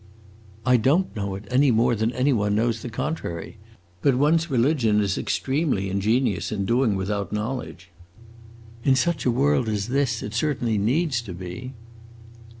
"I don't know it, any more than any one knows the contrary. But one's religion is extremely ingenious in doing without knowledge." "In such a world as this it certainly needs to be!"